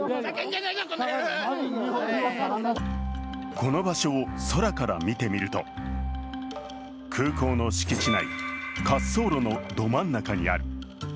この場所を空から見てみると、空港の敷地内、滑走路のど真ん中にある。